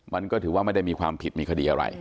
มันก็ถือว่าไม่ได้มีความผิดมีคดีอะไร